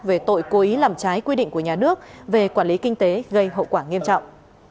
về tội cố ý làm trái quy định của nhà nước về quản lý kinh tế gây hậu quả nghiêm trọng